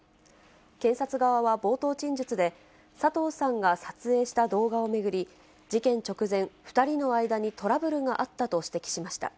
検察側は冒頭陳述で、佐藤さんが撮影した動画を巡り、事件直前、２人の間にトラブルがあったと指摘しました。